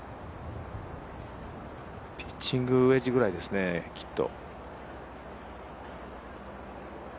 ピッチングウェッジぐらいですね、きっと。